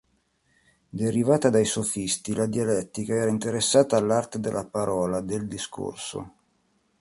Derivata dai Sofisti, la Dialettica era interessata all'arte della parola, del discorso.